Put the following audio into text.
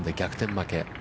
負け。